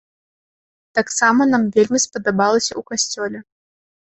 Таксама нам вельмі спадабалася ў касцёле.